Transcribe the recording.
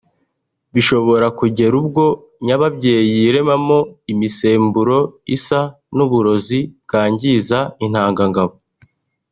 bishobora kugera ubwo nyababyeyi yiremamo imisemburo isa n’uburozi bwangiza intanga ngabo